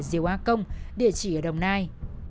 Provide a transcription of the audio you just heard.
dìu a công địa chỉ ở đồng nai